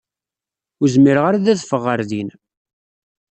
Ur zmireɣ ara ad adfeɣ ɣer din.